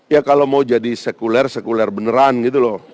ya kalau mau jadi sekuler sekuler beneran gitu loh